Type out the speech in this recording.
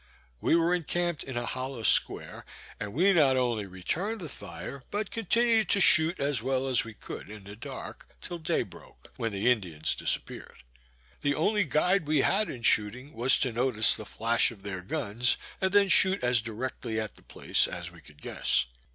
We were encamped in a hollow square, and we not only returned the fire, but continued to shoot as well as we could in the dark, till day broke, when the Indians disappeared. The only guide we had in shooting was to notice the flash of their guns, and then shoot as directly at the place as we could guess.